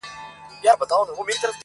• ته توپک را واخله ماته بم راکه..